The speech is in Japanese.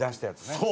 そう！